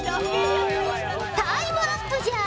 タイムアップじゃ。